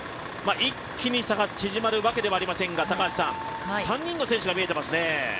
一気に差が縮まるわけではないですが３人の選手が見えていますね。